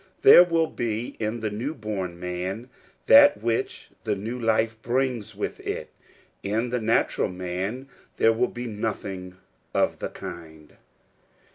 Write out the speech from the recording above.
There will be in the new born man that which the new life brings with it : in the nat ural man there will be nothing of the kind.